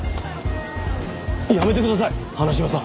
やめてください花島さん。